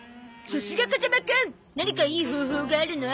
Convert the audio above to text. さすが風間くん何かいい方法があるの？